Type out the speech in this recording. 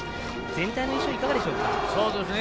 全体の印象いかがでしょうか？